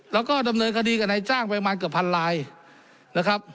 แล้วก็ดำเนินคดีแก่ในจ้างไปอาจมากเกือบ๑๐๐๐ลายนะครับ